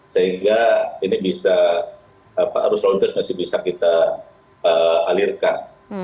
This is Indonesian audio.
sehingga ini bisa arus lalu lintas masih bisa kita alirkan